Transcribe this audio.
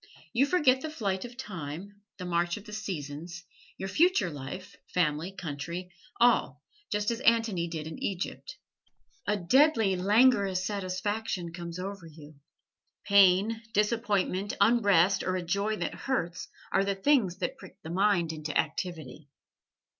You forget the flight of time, the march of the seasons, your future life, family, country all, just as Antony did in Egypt. A deadly, languorous satisfaction comes over you. Pain, disappointment, unrest or a joy that hurts, are the things that prick the mind into activity.